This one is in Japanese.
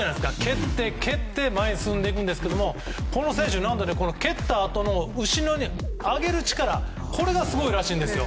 蹴って、蹴って前に進んでいくんですけどもこの選手、なんと蹴ったあとの後ろに上げる力これがすごいらしいんですよ。